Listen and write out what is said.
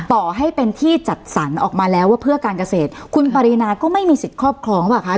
ต่อให้เป็นที่จัดสรรออกมาแล้วว่าเพื่อการเกษตรคุณปรินาก็ไม่มีสิทธิ์ครอบครองหรือเปล่าคะ